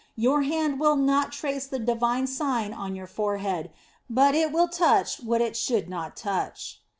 Your hand will not trace the Divine Sign on your forehead, but it will touch what it should never touch.